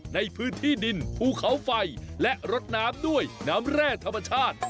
ในพื้นที่ดินภูเขาไฟและรดน้ำด้วยน้ำแร่ธรรมชาติ